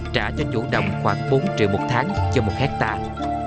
trả cho chủ đồng khoảng bốn triệu một tháng cho một hectare